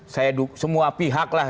saya semua pihak lah